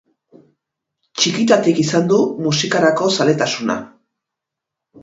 Txikitatik izan du musikarako zaletasuna.